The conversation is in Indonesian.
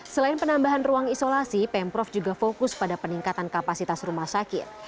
selain penambahan ruang isolasi pemprov juga fokus pada peningkatan kapasitas rumah sakit